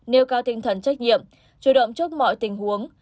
nêu cao tinh thần trách nhiệm chủ động trước mọi tình huống